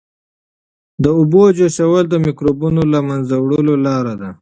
د اوبو جوشول د مکروبونو د له منځه وړلو لاره ده.